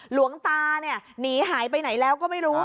หลวงตาเนี่ยหนีหายไปไหนแล้วก็ไม่รู้